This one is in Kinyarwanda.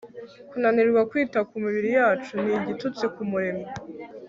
kunanirwa kwita ku mibiri yacu ni igitutsi ku muremyi